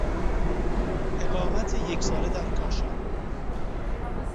اقامت یک ساله در کاشان